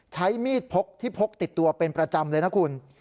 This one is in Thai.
ใช้มีดพกที่พกติดตัวเป็นประจำเลยนะคุณ